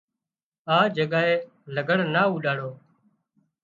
آ جڳائي لگھڙ نا اوڏاڙو